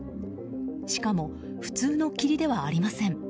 しかも、普通の霧ではありません。